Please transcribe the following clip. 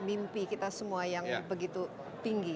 mimpi kita semua yang begitu tinggi